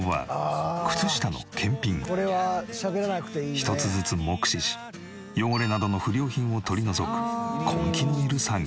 １つずつ目視し汚れなどの不良品を取り除く根気のいる作業。